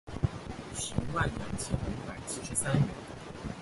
十万两千五百七十三元